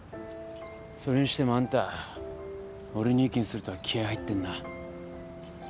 それにしてもあんた俺に意見するとは気合入ってんな。